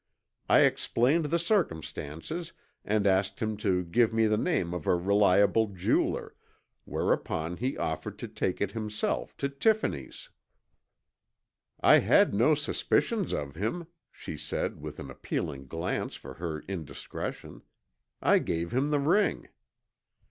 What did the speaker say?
I explained the circumstances and asked him to give me the name of a reliable jeweler, whereupon he offered to take it himself to Tiffany's. "I had no suspicions of him," she said with an appealing glance for her indiscretion. "I gave him the ring."